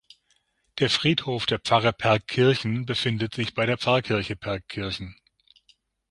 Der Friedhof der Pfarre Pergkirchen befindet sich bei der Pfarrkirche Pergkirchen.